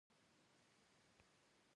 د ظلم انجام بد وي